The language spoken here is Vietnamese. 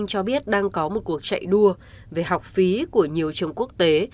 cho biết đang có một cuộc chạy đua về học phí của nhiều trường quốc tế